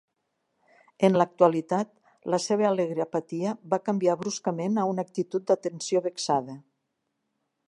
En l'actualitat la seva alegre apatia va canviar bruscament a una actitud d'atenció vexada.